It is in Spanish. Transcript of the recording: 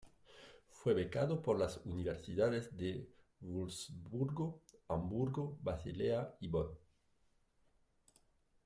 Fue becado por las universidades de Wurzburgo, Hamburgo, Basilea y Bonn.